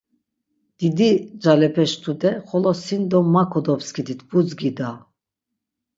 Didi calepeş tude xolo sin do ma kodopskidit budzgi da.